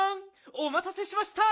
おまたせしました！